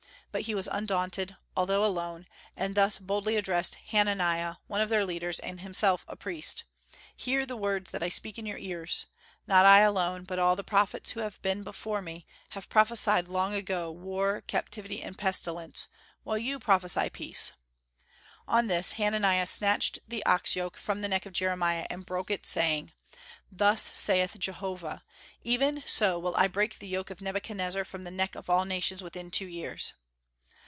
But he was undaunted, although alone, and thus boldly addressed Hananiah, one of their leaders and himself a priest: "Hear the words that I speak in your ears. Not I alone, but all the prophets who have been before me, have prophesied long ago war, captivity, and pestilence, while you prophesy peace." On this, Hananiah snatched the ox yoke from the neck of Jeremiah, and broke it, saying, "Thus saith Jehovah, Even so will I break the yoke of Nebuchadnezzar from the neck of all nations within two years."